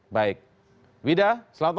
baik wida selamat malam